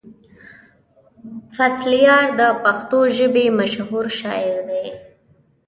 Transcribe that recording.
فضلیار د پښتو ژبې مشهور شاعر دی.